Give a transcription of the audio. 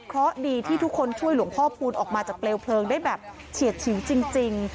เพราะดีที่ทุกคนช่วยหลวงพ่อปูนออกมาจากเปลวเพลิงได้แบบเฉียดฉิวจริง